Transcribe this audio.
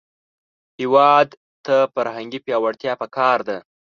هېواد ته فرهنګي پیاوړتیا پکار ده